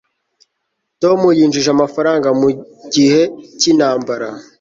tom yinjije amafaranga mu gihe cyintambara